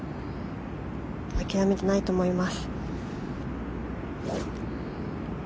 諦めていないと思います。